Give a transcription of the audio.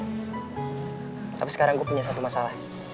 tapi sekarang gue punya satu masalah